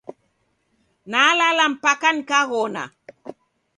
Nalala mpaka nikaghona.